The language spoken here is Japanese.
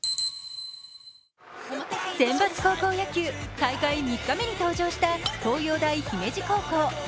選抜高校野球、大会３日目に登場した東洋大姫路高校。